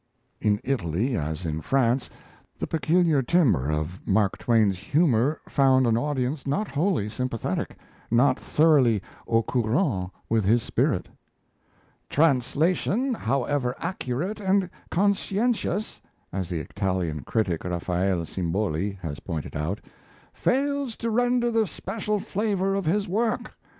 In Italy, as in France, the peculiar timbre of Mark Twain's humour found an audience not wholly sympathetic, not thoroughly au courant with his spirit. "Translation, however accurate and conscientious," as the Italian critic, Raffaele Simboli, has pointed out, "fails to render the special flavour of his work.